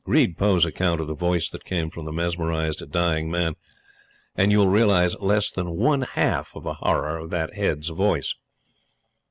Read Poe's account of the voice that came from the mesmerized dying man, and you will realize less than one half of the horror of that head's voice.